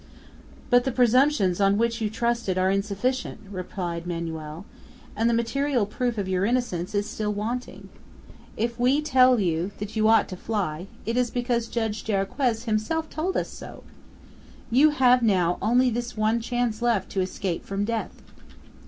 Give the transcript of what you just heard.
"But the presumptions on which you trusted are insufficient," replied Manoel, "and the material proof of your innocence is still wanting! If we tell you that you ought to fly, it is because Judge Jarriquez himself told us so. You have now only this one chance left to escape from death!"